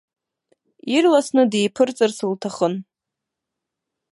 Ирласны диԥырҵырц лҭахын.